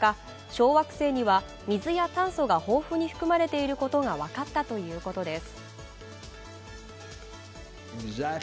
小惑星には、水や炭素が豊富に含まれていることが分かったということです。